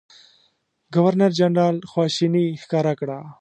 ګورنرجنرال خواشیني ښکاره کړه.